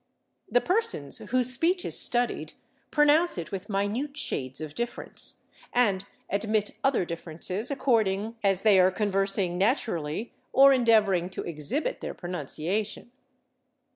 The persons whose speech is studied pronounce it with minute shades of difference, and admit other differences according as they are conversing naturally or endeavoring to exhibit their pronunciation.